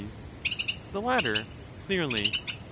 The latter, clearly.